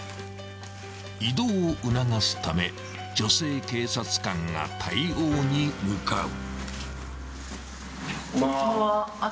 ［移動を促すため女性警察官が対応に向かう］